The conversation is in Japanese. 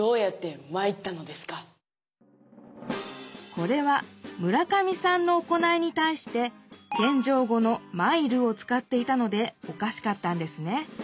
これは村上さんの行いにたいしてけんじょう語の「参る」を使っていたのでおかしかったんですね。